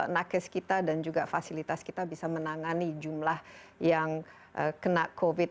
nah kes kita dan juga fasilitas kita bisa menangani jumlah yang kena covid sembilan belas